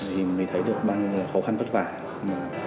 mình thấy được bao nhiêu khó khăn vất vả